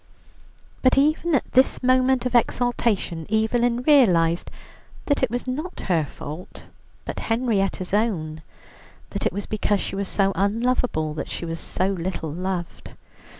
But even at this moment of exaltation Evelyn realized that it was not her fault, but Henrietta's own; that it was because she was so unlovable that she was so little loved.